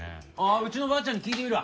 うちのばあちゃんに聞いてみるわ。